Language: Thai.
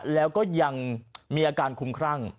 แล้วก็ยังมีอาการคุ้มครั่ง